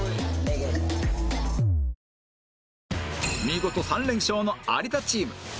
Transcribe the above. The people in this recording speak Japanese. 見事３連勝の有田チーム